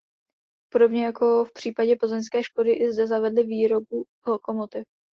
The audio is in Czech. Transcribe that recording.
Podobně jako v případě plzeňské Škody i zde zavedli výrobu lokomotiv.